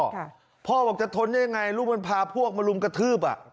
ค่ะพ่อบอกจะทนได้ยังไงลูกมันพาพวกมารุมกระทืบอ่ะ